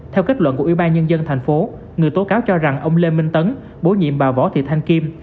theo kết luận của ủy ban nhân dân thành phố người tố cáo cho rằng ông lê minh tấn bổ nhiệm bà võ thị thanh kim